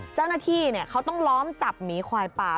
เจ้าหน้าที่เขาต้องล้อมจับหมีควายป่า